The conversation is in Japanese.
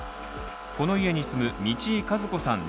この家に住む道井和子さん